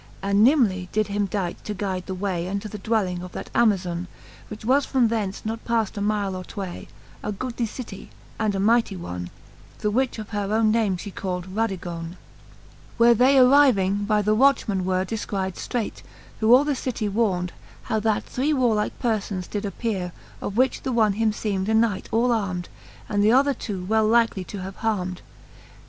And nimbly did him dight to guide the way Unto the dwelling of that Amazone, Which was from thence not paft a mile or tway: A goodly city, and a mighty one. The which of her owne name jQie called Radegone. XXXVI. Where Canto IV. the Faerie ^eene, 6i XXXVI. Where they arriving, by the watchmen were Defcried ftrelght, who all the city warned, How that three warlike perfons did appeare, Of which the one him ieem'd a knight ali armed, And th'other two well likely to have harmed.